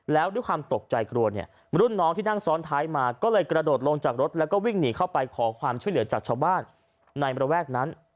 แล้วด้วยความตกใจกลัวเนี่ยรุ่นน้องที่นั่งซ้อนท้ายมาก็เลยกระโดดลงจากรถแล้วก็วิ่งหนีเข้าไปขอความช่วยเหลือจากชาวบ้านในระแวกนั้น